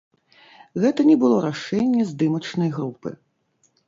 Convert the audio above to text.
Гэта не было рашэнне здымачнай групы.